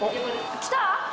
来た！